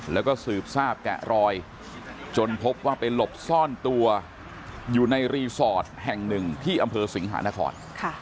แล้วก็สืบทราบแกะรอยจนพบว่าไปหลบซ่อนตัวอยู่ในรีสอร์ทแห่งหนึ่งที่อำเภอสิงหานคร